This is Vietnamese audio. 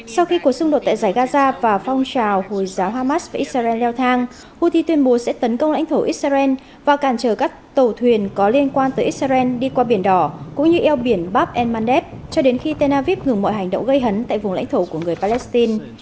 sau khi cuộc xung đột tại giải gaza và phong trào hồi giáo hamas và israel leo thang houthi tuyên bố sẽ tấn công lãnh thổ israel và cản trở các tàu thuyền có liên quan tới israel đi qua biển đỏ cũng như eo biển bab el mandeb cho đến khi tel aviv ngừng mọi hành động gây hấn tại vùng lãnh thổ của người palestine